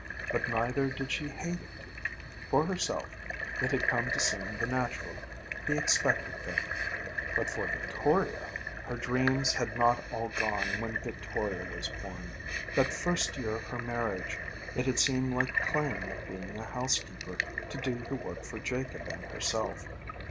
But neither did she hate it. For herself, it had come to seem the natural, the expected thing. But for Victoria Her dreams had not all gone when Victoria was born. That first year of her marriage, it had seemed like playing at being a housekeeper to do the work for Jacob and herself.